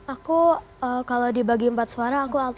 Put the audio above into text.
aku kalau dibagi empat suara aku alto satu